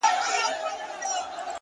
اخلاص د باور ستنې ټینګوي!